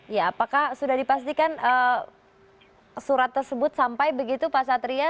ya apakah sudah dipastikan surat tersebut sampai begitu pak satria